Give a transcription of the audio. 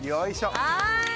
はい。